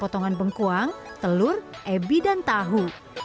potongan bengkuang telur ebi dan tahu